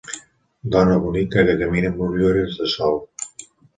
Dona bonica que camina amb ulleres de sol.